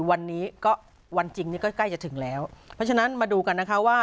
วันนี้ก็วันจริงนี่ก็ใกล้จะถึงแล้วเพราะฉะนั้นมาดูกันนะคะว่า